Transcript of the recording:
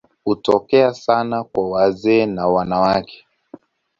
Hutokea sana kwa wazee na wanawake.